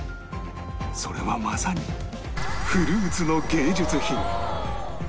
それはまさにフルーツの芸術品